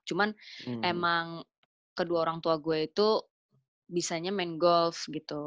cuman emang kedua orang tua gue itu bisanya main golf gitu